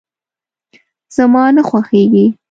زما نه خوښيږي.